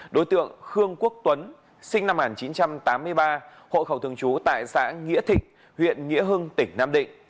đối tượng khương quốc tuấn sinh năm một nghìn chín trăm tám mươi ba hộ khẩu thường trú tại xã nghĩa thịnh huyện nghĩa hưng tỉnh nam định